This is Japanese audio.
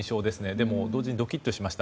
でも同時にドキッとしました。